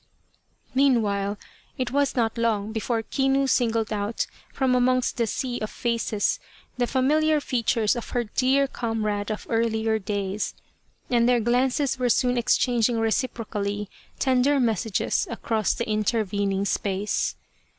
Meanwhile, it was not long before Kinu singled out, from amongst the sea of faces, the familiar features of her dear comrade of earlier days, and their glances were soon exchanging reciprocally tender messages across the intervening space.